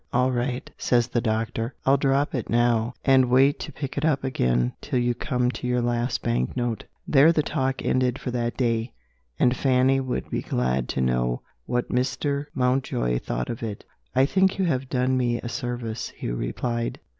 "All right," says the doctor, "I'll drop it now, and wait to pick it up again till you come to your last bank note." There the talk ended for that day and Fanny would be glad to know what Mr. Mountjoy thought of it. "I think you have done me a service," Hugh replied.